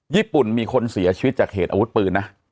ญี่ปุ่นมีคนเสียชีวิตจากเหตุอาวุธปืนนะ